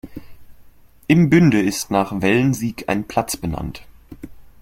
In Bünde ist nach Wellensiek ein Platz benannt.